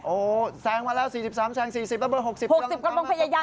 โอ้โฮแซงมาแล้ว๔๓แซง๔๐แล้วเบอร์๖๐